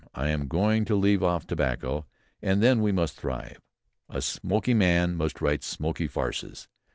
I am going to leave off tobacco, and then we must thrive. A smoky man must write smoky farces."